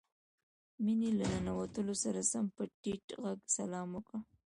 مينې له ننوتو سره سم په ټيټ غږ سلام وکړ.